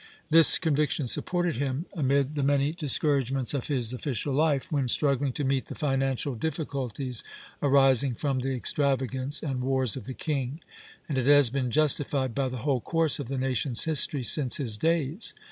This conviction supported him amid the many discouragements of his official life, when struggling to meet the financial difficulties arising from the extravagance and wars of the king; and it has been justified by the whole course of the nation's history since his days.